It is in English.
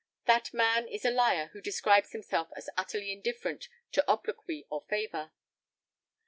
That man is a liar who describes himself as utterly indifferent to obloquy or favor.